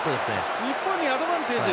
日本にアドバンテージ。